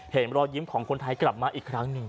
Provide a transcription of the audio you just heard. เห็นรอยยิ้มของคนไทยกลับมาอีกครั้งหนึ่ง